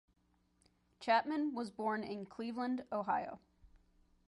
Chapman was born in Cleveland, Ohio.